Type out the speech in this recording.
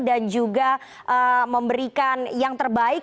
dan juga memberikan yang terbaik